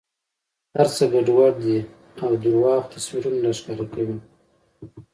هر څه ګډوډ دي او درواغ تصویرونه را ښکاره کوي.